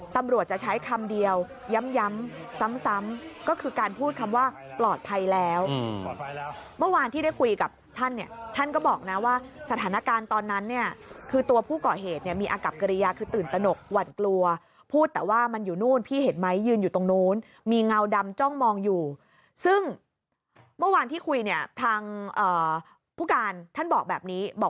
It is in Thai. ตำรวจจะใช้คำเดียวย้ำซ้ำก็คือการพูดคำว่าปลอดภัยแล้วเมื่อวานที่ได้คุยกับท่านเนี่ยท่านก็บอกนะว่าสถานการณ์ตอนนั้นเนี่ยคือตัวผู้ก่อเหตุเนี่ยมีอากับกริยาคือตื่นตนกหวั่นกลัวพูดแต่ว่ามันอยู่นู่นพี่เห็นไหมยืนอยู่ตรงนู้นมีเงาดำจ้องมองอยู่ซึ่งเมื่อวานที่คุยเนี่ยทางผู้การท่านบอกแบบนี้บอก